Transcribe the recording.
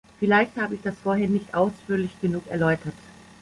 Vielleicht habe ich das vorhin nicht ausführlich genug erläutert.